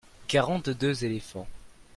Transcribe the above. quarante deux éléphants.